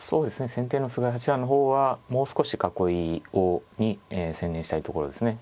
先手の菅井八段の方はもう少し囲いに専念したいところですね。